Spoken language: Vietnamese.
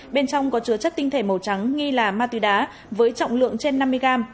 bên trong có chứa chất tinh thể màu trắng nghi là ma túy đá với trọng lượng trên năm mươi gram